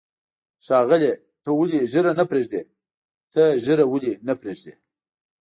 ښاغلیه، ته ولې ږیره نه پرېږدې؟ ته ږیره ولې نه پرېږدی؟